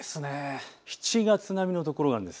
７月並みの所があるんです。